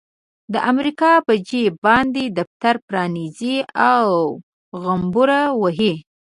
د امريکا په جيب باندې دفتر پرانيزي او غومبر وهي.